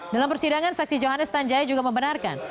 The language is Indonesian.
dalam persidangan saksi johannes tanjaya juga membenarkan